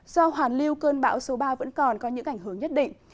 do hoàn lưu cơn bão số ba vẫn còn có những ảnh hưởng nhất định